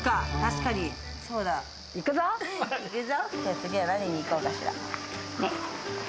次は何に行こうかしら。